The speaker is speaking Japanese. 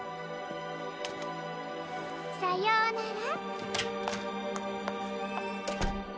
さようなら。